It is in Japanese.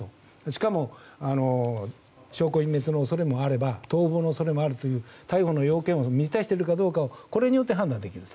しかも、証拠隠滅の恐れもあれば逃亡の恐れもあるという逮捕の要件を満たしているかどうかをこれによって判断できる。